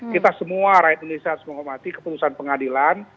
kita semua rakyat indonesia harus menghormati keputusan pengadilan